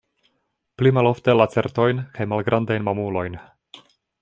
Pli malofte lacertojn kaj malgrandajn mamulojn.